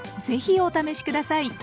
ぜひお試し下さい。